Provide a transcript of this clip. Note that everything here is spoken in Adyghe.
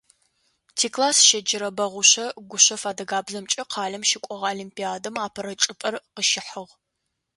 Тикласс щеджэрэ Бэгъушъэ Гушъэф адыгабзэмкӀэ къалэм щыкӀогъэ олимпиадэм апэрэ чӀыпӀэр къыщихьыгъ.